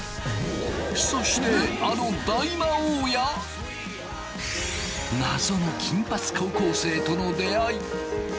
そしてあの大魔王や謎の金髪高校生との出会い。